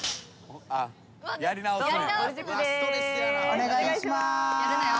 「お願いします」